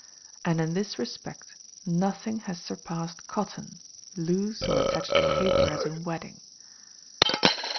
And in this respect nothing has surpassed cotton loose or attached to paper as in wadding.